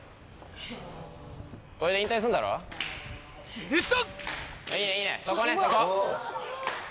すると！